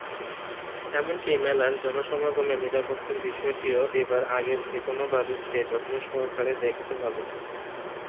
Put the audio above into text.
এমনকি মেলার জনসমাগমের নিরাপত্তার বিষয়টিও এবার আগের যেকোনোবারের চেয়ে যত্নসহকারে দেখতে হবে।